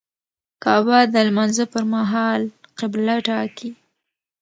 کعبه د لمانځه پر مهال قبله ټاکي.